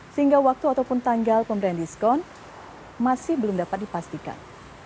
sehingga waktu ataupun tanggal pemberian diskon masih belum dapat dipastikan